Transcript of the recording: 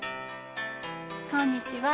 こんにちは。